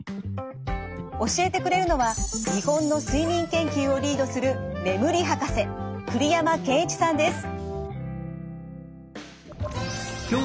教えてくれるのは日本の睡眠研究をリードする眠り博士栗山健一さんです。